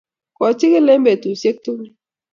Kochigili eng betusiek tugul